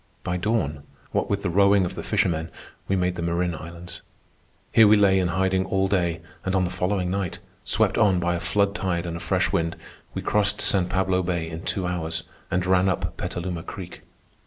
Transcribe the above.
By dawn, what with the rowing of the fishermen, we made the Marin Islands. Here we lay in hiding all day, and on the following night, swept on by a flood tide and a fresh wind, we crossed San Pablo Bay in two hours and ran up Petaluma Creek.